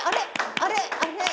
あれ？